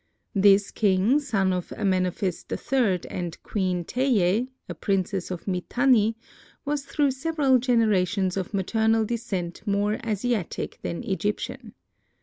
This king, son of Amenophis III and Queen Teie, a princess of Mitanni, was through several generations of maternal descent more Asiatic than Egyptian.